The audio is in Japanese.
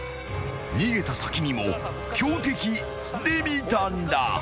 ［逃げた先にも強敵レミたんだ］